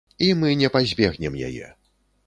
І мы не пазбегнем яе.